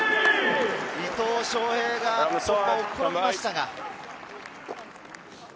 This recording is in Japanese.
伊藤鐘平が転びましたが。